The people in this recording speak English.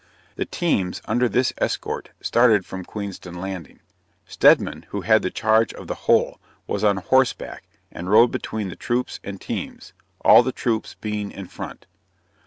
The teams, under this escort, started from Queenston landing Stedman, who had the charge of the whole, was on horse back, and rode between the troops and teams; all the troops being in front.